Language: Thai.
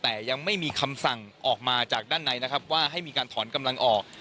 แต่ยังไม่มีคำสั่งออกมาจากด้านในนะครับว่าให้มีการถอนกำลังออก